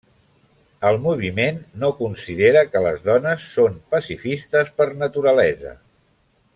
El moviment no considera que les dones són pacifistes per naturalesa.